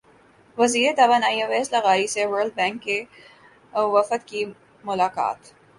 وزیر توانائی اویس لغاری سے ورلڈ بینک کے وفد کی ملاقات